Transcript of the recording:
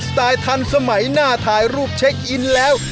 ไตล์ทันสมัยหน้าถ่ายรูปเช็คอินแล้ว